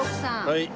はい。